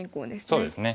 そうですね。